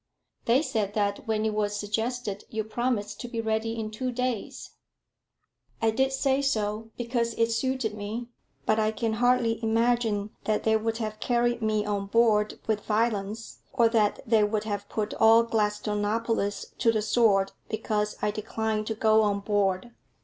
"They said that when it was suggested, you promised to be ready in two days." "I did say so because it suited me. But I can hardly imagine that they would have carried me on board with violence, or that they would have put all Gladstonopolis to the sword because I declined to go on board."